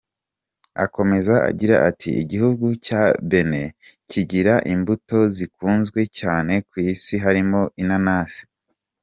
Akomeza agira ati “Igihugu cya Benin kigira imbuto zikunzwe cyane ku isi, harimo inanasi.